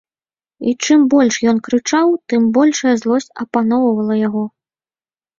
І чым больш ён крычаў, тым большая злосць апаноўвала яго.